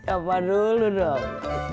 hai apa dulu dong